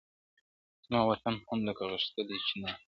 زما وطن هم لکه غښتلی چنار!!